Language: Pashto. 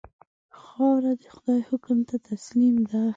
خاوره د خدای حکم ته تسلیم ده.